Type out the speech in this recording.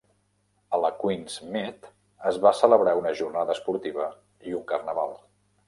A la Queen's Mead es va celebrar una jornada esportiva i un carnaval.